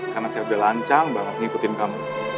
karena saya udah lancang banget ngikutin kamu